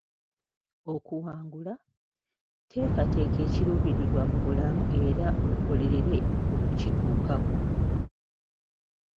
Okuwangula, teekateeka ekiruubirirwa mu bulamu era okolerere okukituukako.